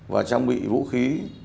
và trang bị vũ khí